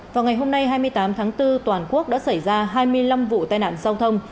vào ngày hôm nay hai mươi tám tháng bốn toàn quốc đã xảy ra hai mươi năm vụ tai nạn giao thông